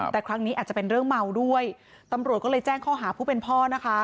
แต่ครั้งนี้อาจจะเป็นเรื่องเมาด้วยตำรวจก็เลยแจ้งข้อหาผู้เป็นพ่อนะคะ